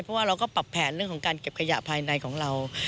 เพราะว่าเราก็ปรับแผนเรื่องของการเก็บขยะภายในของเรา